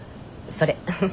それ。